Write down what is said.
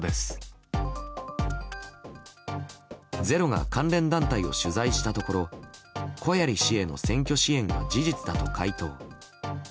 「ｚｅｒｏ」が関連団体を取材したところ小鑓氏への選挙支援は事実だと回答。